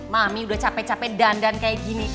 mami udah capek capek dandan kayak gini